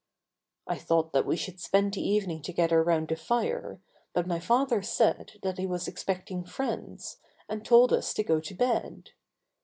I thought that we should spend the evening together round the fire, but my father said that he was expecting friends, and told us to go to bed.